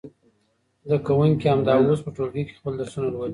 زده کوونکي همدا اوس په ټولګي کې خپل درسونه لولي.